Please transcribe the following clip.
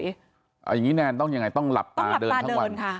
อย่างนี้แนนต้องยังไงต้องหลับตาเดินทั้งวัน